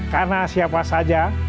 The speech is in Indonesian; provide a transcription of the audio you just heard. karena siapa saja